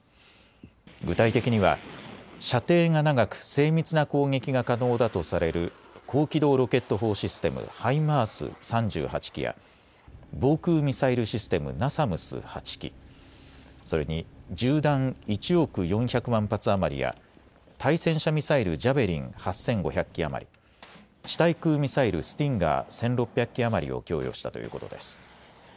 具体的には射程が長く精密な攻撃が可能だとされる高機動ロケット砲システムハイマース３８基や防空ミサイルシステムナサムス８基、それに銃弾１億４００万発余りや対戦車ミサイル、ジャベリン８５００基余り、地対空ミサイル、スティンガー１６００基余りを供与したということです。